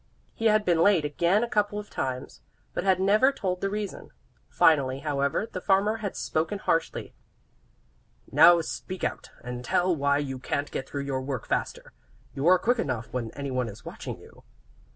He had been late again a couple of times, but had never told the reason. Finally, however, the farmer had spoken harshly: "Now speak out, and tell why you can't get through your work faster; you are quick enough when anyone is watching you."